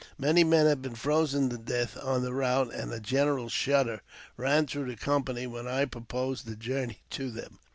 Many men had been frozen to death on the route, and a general shudder ran through the company when I proposed the journey to them.